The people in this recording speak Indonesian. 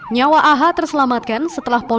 nyawa aha terselamatkan setelah polisi